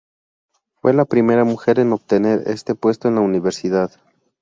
Fue la primera mujer en obtener este puesto en la Universidad.